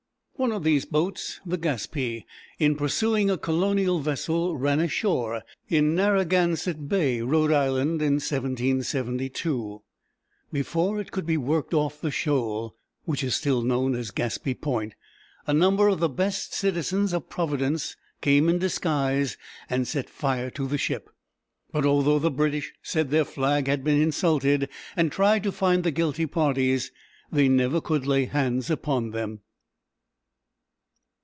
One of these boats, the Gas´pee, in pursuing a colonial vessel, ran ashore in Narragansett Bay, Rhode Island, in 1772. Before it could be worked off the shoal, which is still known as Gaspee Point, a number of the best citizens of Providence came in disguise and set fire to the ship. But although the British said their flag had been insulted, and tried to find the guilty parties, they never could lay hands upon them.